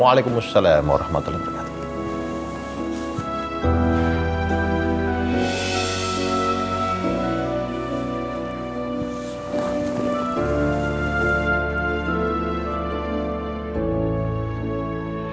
waalaikumsalam warahmatullahi wabarakatuh